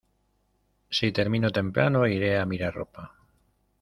Si termino temprano, iré a mirar ropa.